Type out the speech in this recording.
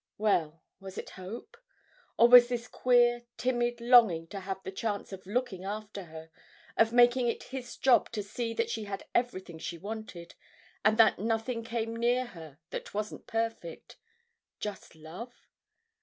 Well, was it hope? Or was this queer, timid longing to have the chance of looking after her, of making it his job to see that she had everything she wanted, and that nothing came near her that wasn't perfect—just love?